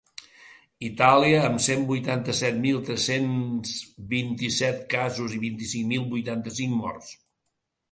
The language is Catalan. Itàlia, amb cent vuitanta-set mil tres-cents vint-i-set casos i vint-i-cinc mil vuitanta-cinc morts.